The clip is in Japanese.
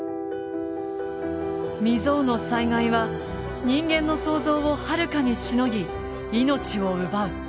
未曽有の災害は人間の想像をはるかにしのぎ命を奪う。